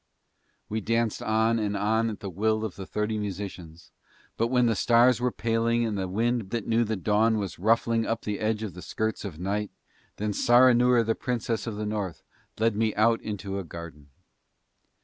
We danced on and on at the will of the thirty musicians, but when the stars were paling and the wind that knew the dawn was ruffling up the edge of the skirts of night, then Saranoora the princess of the North led me out into a garden.